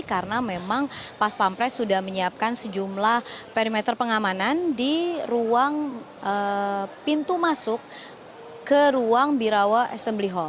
karena memang pas pampres sudah menyiapkan sejumlah perimeter pengamanan di ruang pintu masuk ke ruang birawa smb